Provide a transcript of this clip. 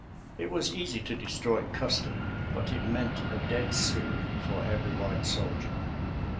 It was easy to destroy Custer, but it meant a dead Sioux for every white soldier.